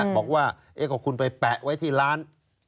บอกว่าก็คุณไปแปะไว้ที่ร้าน